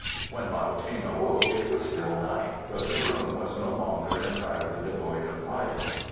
When Lao Ting awoke it was still night, but the room was no longer entirely devoid of light.